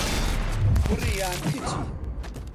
کوڕی یان کچی؟